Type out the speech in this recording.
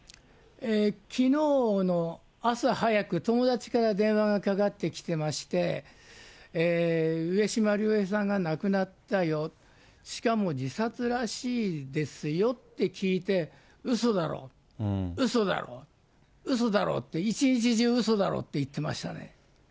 きのうの朝早く、友達から電話がかかってきてまして、上島竜兵さんが亡くなったよ、しかも自殺らしいですよって聞いて、うそだろ、うそだろ、うそだろって、一日中うそだろって言ってましたね。